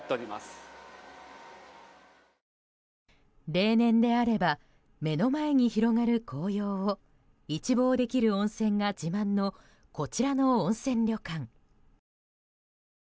例年であれば目の前に広がる紅葉を一望できる温泉が自慢のこちらの温泉旅館。